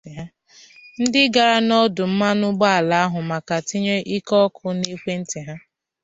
ndị gara n'ọdụ mmanụ ụgbọala ahụ maka tinye ike ọkụ n’ekwenti ha